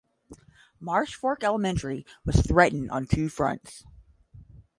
Marsh Fork Elementary was threatened on two fronts.